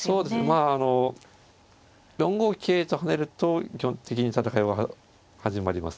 まああの４五桂と跳ねると基本的に戦いは始まりますね。